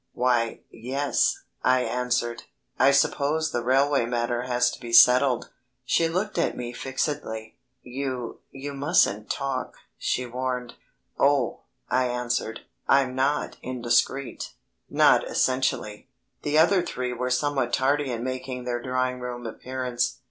"Why, yes," I answered; "I suppose the railway matter has to be settled." She looked at me fixedly. "You you mustn't talk," she warned. "Oh," I answered, "I'm not indiscreet not essentially." The other three were somewhat tardy in making their drawing room appearance.